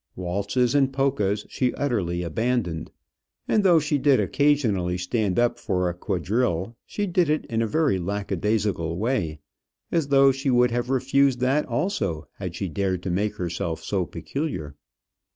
Waltzes and polkas she utterly abandoned; and though she did occasionally stand up for a quadrille, she did it in a very lack a daisical way, as though she would have refused that also had she dared to make herself so peculiar.